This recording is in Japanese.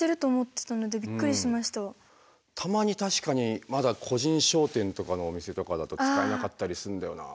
たまに確かにまだ個人商店とかのお店とかだと使えなかったりすんだよなあ。